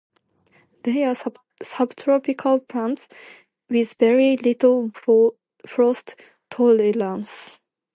They are subtropical plants, with very little frost tolerance.